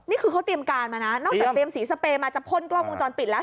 นี่คือเขาเตรียมการมานะนอกจากเตรียมสีสเปรมาจะพ่นกล้องวงจรปิดแล้ว